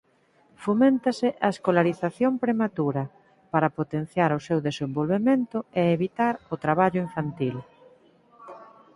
Foméntase a escolarización prematura para potenciar o seu desenvolvemento e evitar o traballo infantil.